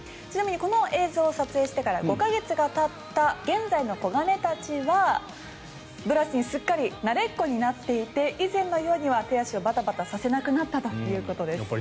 ちなみにこの映像を撮影してから５か月がたった現在の子亀たちはブラシにすっかり慣れっこになっていて以前のようには手足をバタバタさせなくなったということです。